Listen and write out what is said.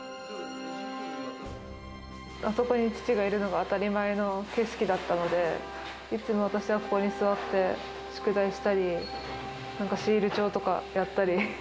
あそこに父がいるのが当たり前の景色だったので、いつも私はここに座って、宿題したり、なんか、シール帳とかやったり。